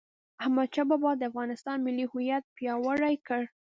احمدشاه بابا د افغانستان ملي هویت پیاوړی کړ..